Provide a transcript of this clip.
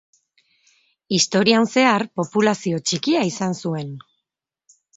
Historian zehar populazio txikia izan zuen.